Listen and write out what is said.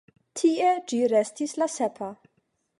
Tie ĝi restis la sepa.